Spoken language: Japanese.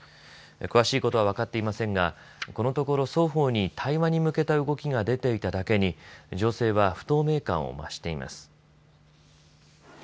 詳しいことは分かっていませんがこのところ双方に対話に向けた動きが出ていただけに情勢は不透明感を増しています。